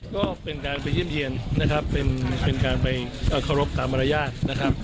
ก็เป็นการไปเยี่ยมเยี่ยนนะครับเป็นการไปเคารพตามมารยาทนะครับ